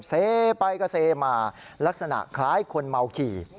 เซไปก็เซมาลักษณะคล้ายคนเมาขี่